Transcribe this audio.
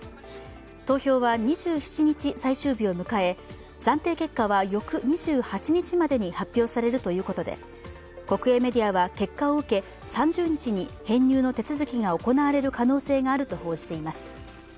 投票は２７日、最終日を迎え、暫定結果は翌２８日までに発表されるということで国営メディアは結果を受け３０日に編入の手続きが行われる可能性があると報じています。